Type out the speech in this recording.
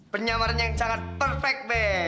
penyamaran yang sangat perfect be